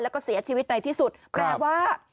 แล้วก็เสียชีวิตในที่สุดแปลว่า